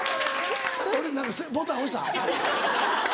俺何かボタン押した？